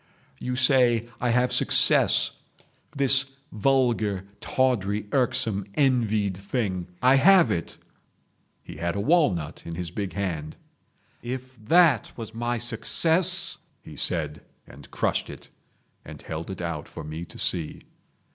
You say, I have success—this vulgar, tawdry, irksome, envied thing. I have it." He had a walnut in his big hand. "If that was my success," he said, and crushed it, and held it out for me to see.